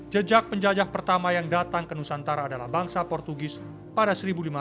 jejak penjajah pertama yang datang ke nusantara adalah bangsa portugis pada seribu lima ratus